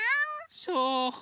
そう。